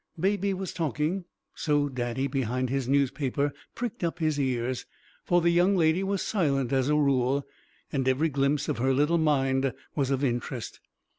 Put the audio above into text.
Baby was talking so Daddy behind his newspaper pricked up his ears, for the young lady was silent as a rule, and every glimpse of her little mind was of interest.